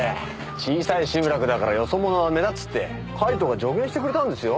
小さい集落だからよそ者は目立つってカイトが助言してくれたんですよ。